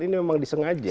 ini memang disengaja